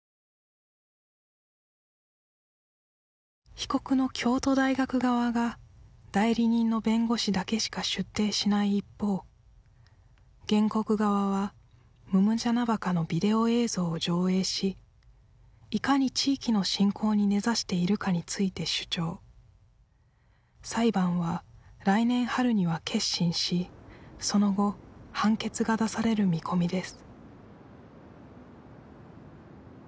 被告の京都大学側が代理人の弁護士だけしか出廷しない一方原告側は百按司墓のビデオ映像を上映しいかに地域の信仰に根ざしているかについて主張裁判は来年春には結審しその後判決が出される見込みです